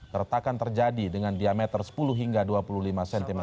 keretakan terjadi dengan diameter sepuluh hingga dua puluh lima cm